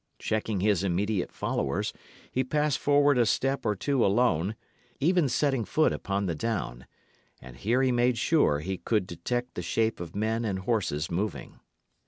Checking his immediate followers, he passed forward a step or two alone, even setting foot upon the down; and here he made sure he could detect the shape of men and horses moving.